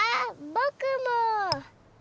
ぼくも。